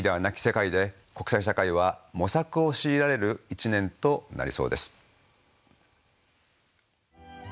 なき世界で国際社会は模索を強いられる一年となりそうです。